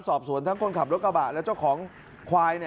สอบสวนทั้งคนขับรถกระบะและเจ้าของควาย